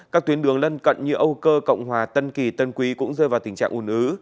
các tuyến đường lân cận như âu cơ cộng hòa tân kỳ tân quý cũng rơi vào tình trạng ủn ứ